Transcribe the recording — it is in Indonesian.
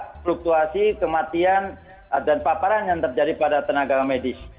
ada fluktuasi kematian dan paparan yang terjadi pada tenaga medis